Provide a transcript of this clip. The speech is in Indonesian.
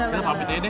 kita pamit aja deh